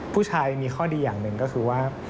ผู้ชายมีข้อดีอย่างหนึ่งก็คือว่า